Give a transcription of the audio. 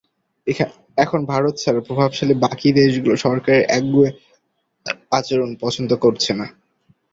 এখন ভারত ছাড়া প্রভাবশালী বাকি দেশগুলো সরকারের একগুঁয়ে আচরণ পছন্দ করছে না।